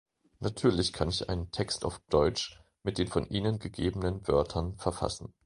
Natürlich kann ich einen Text auf Deutsch mit den von Ihnen gegebenen Wörtern verfassen.